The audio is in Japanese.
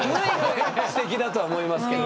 すてきだとは思いますけど。